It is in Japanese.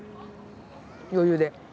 余裕で。